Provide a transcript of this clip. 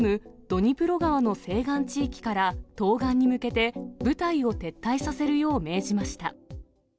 ドニプロ川の西岸地域から東岸に向けて、部隊を撤退させるよう命じました。